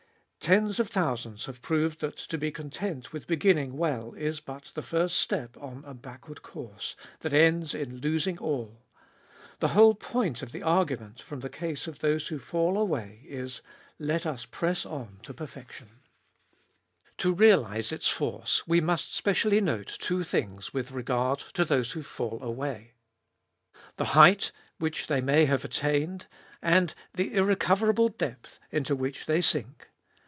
Tens of thousands have proved that to be content with begin ning well is but the first step on a backward course, that ends in losing all. The whole point of the argument from the case of those who fall away is — Let us press on to perfection. 208 Gbe Iboltest of Bll To realise its force we must specially note two things with regard to those who fall away : the height which they may have attained, and the irrecoverable depth into which they sink.